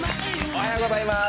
おはようございます！